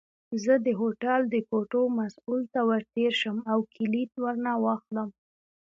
زه د هوټل د کوټو مسؤل ته ورتېر شم او کیلۍ ورنه واخلم.